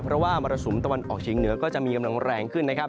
เพราะว่ามรสุมตะวันออกเฉียงเหนือก็จะมีกำลังแรงขึ้นนะครับ